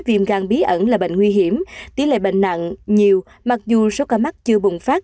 viêm gan bí ẩn là bệnh nguy hiểm tỷ lệ bệnh nặng nhiều mặc dù số ca mắc chưa bùng phát